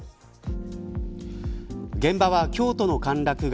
現場は京都の歓楽街